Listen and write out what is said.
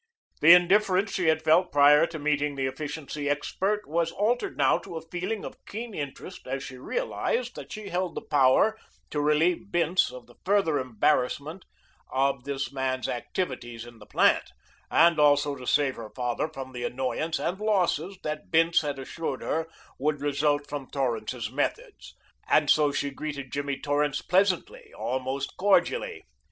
The indifference she had felt prior to meeting the efficiency expert was altered now to a feeling of keen interest as she realized that she held the power to relieve Bince of the further embarrassment of the man's activities in the plant, and also to save her father from the annoyance and losses that Bince had assured her would result from Torrance's methods. And so she greeted Jimmy Torrance pleasantly, almost cordially.